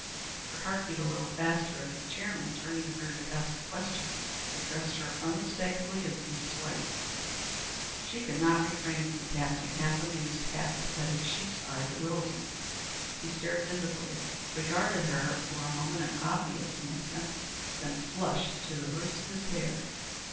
Her heart beat a little faster as the chairman, turning to her to ask a question, addressed her unmistakably as Mrs. White. She could not refrain from casting half amused, half pathetic sheep's eyes at Littleton. He started visibly, regarded her for, a moment in obvious amazement, then flushed to the roots of his hair.